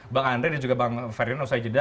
bang andre dan juga bang ferdinand usai jeda